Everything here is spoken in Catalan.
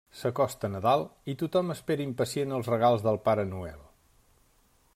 S'acosta Nadal i tothom espera impacient els regals del Pare Noel.